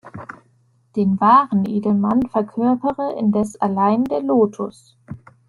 Den wahren Edelmann verkörpere indes allein der Lotus.